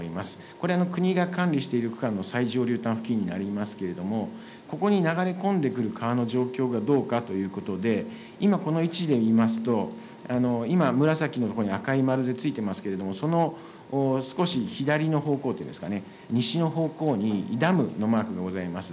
これ、国が管理している区間の最上流たん付近になりますけれども、ここに流れ込んでくる川の状況がどうかということで、今、この位置で見ますと、今、紫の横に赤い丸でついてますけれども、その少し左の方向というんですかね、西の方向にダムのマークがございます。